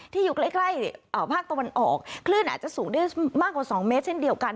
อยู่ใกล้ภาคตะวันออกคลื่นอาจจะสูงได้มากกว่า๒เมตรเช่นเดียวกัน